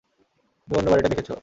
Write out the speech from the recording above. তুমি অন্য বাড়িটা দেখেছ?